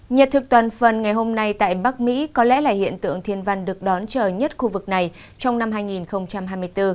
nhật thực toàn phần ngày hôm nay tại bắc mỹ có lẽ là hiện tượng thiên văn được đón chờ nhất khu vực này trong năm hai nghìn hai mươi bốn